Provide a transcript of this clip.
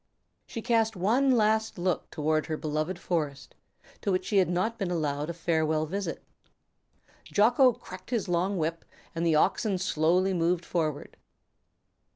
She cast one last look toward her beloved forest, to which she had not been allowed a farewell visit. Jocko cracked his long whip, the oxen slowly moved forward.